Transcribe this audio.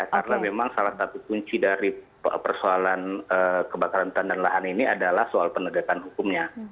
karena memang salah satu kunci dari persoalan kebakaran hutan dan lahan ini adalah soal penegakan hukumnya